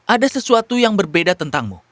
ada sesuatu yang berbeda tentangmu